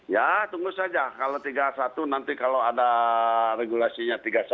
ya tunggu saja kalau tiga puluh satu nanti kalau ada regulasinya tiga puluh satu